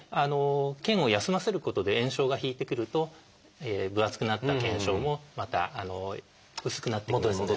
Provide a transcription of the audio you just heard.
腱を休ませることで炎症が引いてくると分厚くなった腱鞘もまた薄くなってきますので。